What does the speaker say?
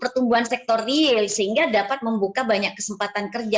pertumbuhan sektor real sehingga dapat membuka banyak kesempatan kerja